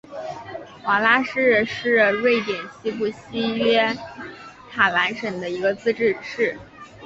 瓦拉市是瑞典西部西约塔兰省的一个自治市。